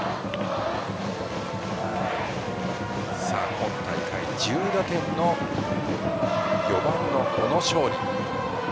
今大会１０打点の４番の小野勝利。